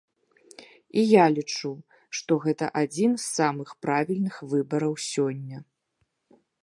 І я лічу, што гэта адзін з самых правільных выбараў сёння.